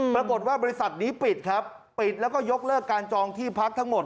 บริษัทนี้ปิดครับปิดแล้วก็ยกเลิกการจองที่พักทั้งหมด